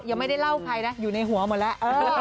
ยังไม่ได้เล่าใครนะอยู่ในหัวหมดแล้ว